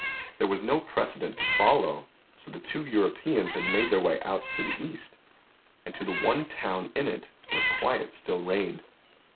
There was no precedent to follow; so the two Europeans had made their way out to the East, and to the one town in it where quiet still reigned.